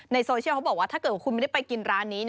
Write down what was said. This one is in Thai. โซเชียลเขาบอกว่าถ้าเกิดว่าคุณไม่ได้ไปกินร้านนี้